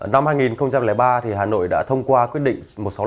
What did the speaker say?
năm hai nghìn ba hà nội đã thông qua quyết định một trăm sáu mươi năm